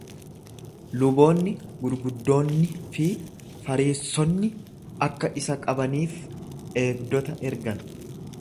Luboonni gurguddoonni fi Fariissonni akka isa qabaniif eegdota ergan.